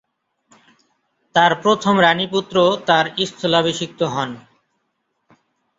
তার প্রথম রানী পুত্র তার স্থলাভিষিক্ত হন।